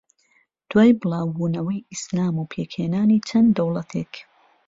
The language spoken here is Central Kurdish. دوای بڵاوبونەوەی ئیسلام و پێکھێنانی چەند دەوڵەتێک